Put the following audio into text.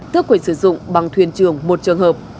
tước quyền sử dụng bằng thuyền trường một trường hợp